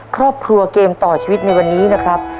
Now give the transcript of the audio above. ครอบครัวเกมต่อชีวิตในวันนี้นะครับ